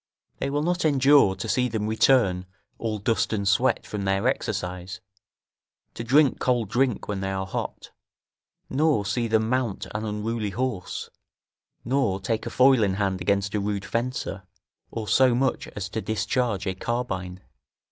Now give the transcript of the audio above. They will not endure to see them return all dust and sweat from their exercise, to drink cold drink when they are hot, nor see them mount an unruly horse, nor take a foil in hand against a rude fencer, or so much as to discharge a carbine.